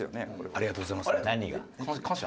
ありがとうございます本当。